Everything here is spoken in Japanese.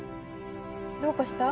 どうかした？